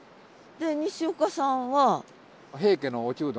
西岡さんは？